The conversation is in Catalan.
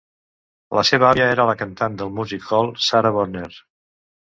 La seva àvia era la cantant de music hall Sara Bonner.